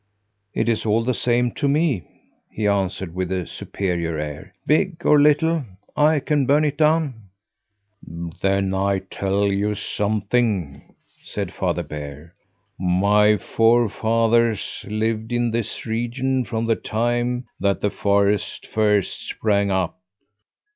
"It's all the same to me," he answered with a superior air. "Big or little, I can burn it down." "Then I'll tell you something," said Father Bear. "My forefathers lived in this region from the time that the forests first sprang up.